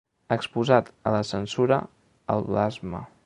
Exposat a la censura, al blasme.